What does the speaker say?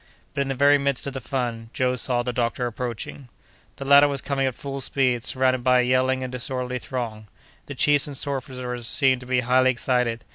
But, in the very midst of the fun, Joe saw the doctor approaching. The latter was coming at full speed, surrounded by a yelling and disorderly throng. The chiefs and sorcerers seemed to be highly excited.